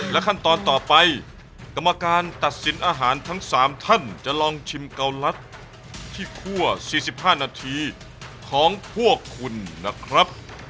ขั้นตอนต่อไปกรรมการตัดสินอาหารทั้ง๓ท่านจะลองชิมเกาลัดที่คั่ว๔๕นาทีของพวกคุณนะครับ